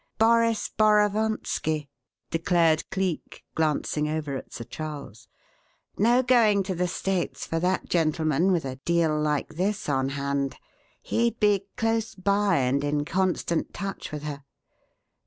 "Boris Borovonski!" declared Cleek, glancing over at Sir Charles. "No going to the States for that gentleman with a 'deal' like this on hand. He'd be close by and in constant touch with her.